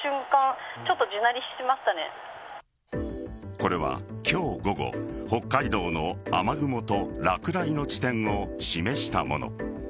これは、今日午後北海道の雨雲と落雷の地点を示したもの。